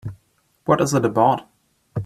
What is it about?